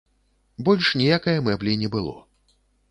Больш ніякае мэблі не было.